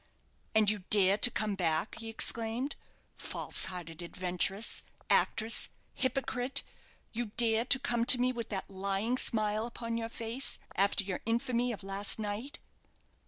"And you dare to come back?" he exclaimed. "False hearted adventuress actress hypocrite you dare to come to me with that lying smile upon your face after your infamy of last night!"